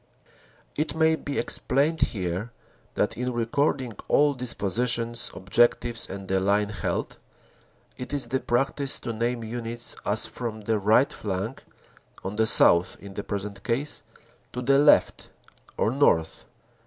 It may be explained here that in recording all dispositions, objectives and the line held, it is the practice to name Units as from the right flank, on the south in the present case, to the left, or north.